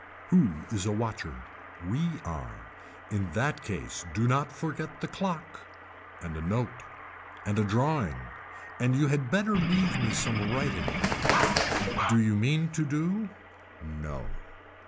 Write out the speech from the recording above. Who is a watcher. We are. In that case do not forget the clock. And a note. And a drawing. And you had better leave me some writing. Do you mean to do. No.